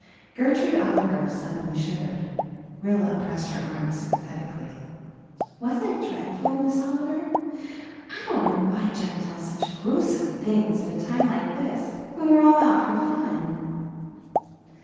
Gertrude Oliver suddenly shivered. Rilla pressed her arm sympathetically. "Wasn't it dreadful, Miss Oliver? I don't know why Jem tells such gruesome things at a time like this when we're all out for fun."